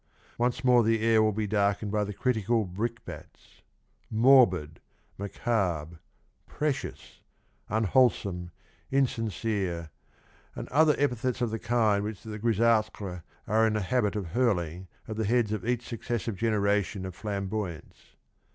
Once more the air will be darkened by the critical brickbats —' Morbid,' ' Macabre,' ' precious,' unwholesome,' ' insincere,' and other epithets of the kind which the Grisatres are in the habit of hurling at the heads of each successive generation of Flam boyants.